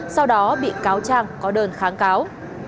sau đó bị cáo trang có đơn kháng cáo